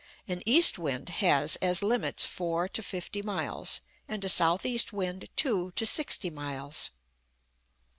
An east wind has as limits 4 to 50 miles, and a south east wind 2 to 60 miles.